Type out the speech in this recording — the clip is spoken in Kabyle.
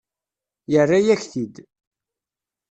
Yerra-yak-t-id.